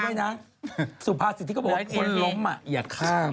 จำด้วยนะสุภาษีที่เขาบอกว่าคนล้มอะอย่าข้าม